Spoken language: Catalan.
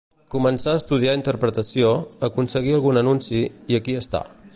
Començà estudiar interpretació, aconseguí algun anunci, i aquí està.